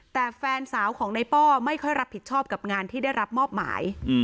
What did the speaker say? แต่แฟนสาวของในป้อไม่ค่อยรับผิดชอบกับงานที่ได้รับมอบหมาย